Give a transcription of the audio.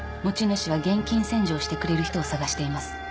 持ち主は現金洗浄してくれる人を探しています。